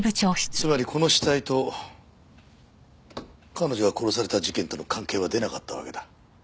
つまりこの死体と彼女が殺された事件との関係は出なかったわけだ。